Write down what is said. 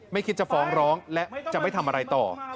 คิดจะฟ้องร้องและจะไม่ทำอะไรต่อ